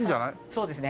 そうですね。